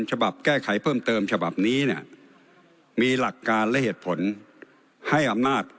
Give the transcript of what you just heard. ฉบับแก้ไขเพิ่มเติมฉบับนี้เนี่ยมีหลักการและเหตุผลให้อำนาจ